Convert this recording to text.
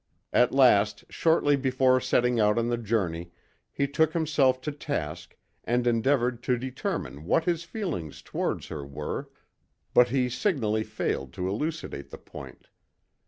At last, shortly before setting out on the journey, he took himself to task and endeavoured to determine what his feelings towards her were, but he signally failed to elucidate the point.